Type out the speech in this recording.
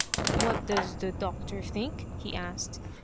" What does the Doctor think ?" he asked.